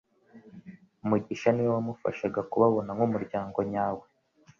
Mugisha niwe wamufashaga kubabona nkumuryango nyawe,